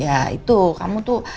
ya itu kamu tuh